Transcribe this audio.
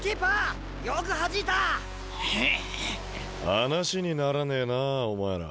話にならねえなお前ら。